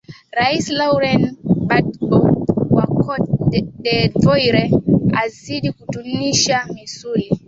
rais lauren badbo wa cote de voire azidi kutunisha misuli